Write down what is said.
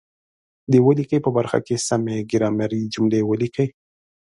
د ولیکئ په برخه کې سمې ګرامري جملې ولیکئ.